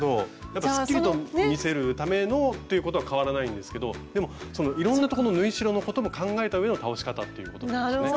やっぱすっきりと見せるためのっていうことは変わらないんですけどでもいろんなとこの縫い代のことも考えた上の倒し方っていうことなんですね。